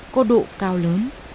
có độ cao lớn